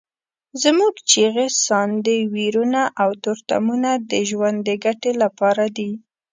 زموږ چیغې، ساندې، ویرونه او تورتمونه د ژوند د ګټې لپاره دي.